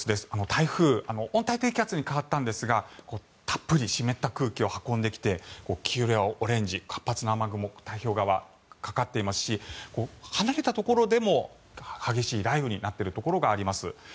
台風温帯低気圧に変わったんですがたっぷり湿った空気を運んできて黄色やオレンジ活発な雨雲太平洋側、かかっていますし離れたところでも激しい雷雨になっているところがあります。